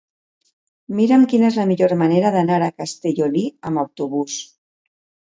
Mira'm quina és la millor manera d'anar a Castellolí amb autobús.